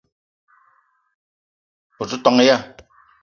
O te ton ya?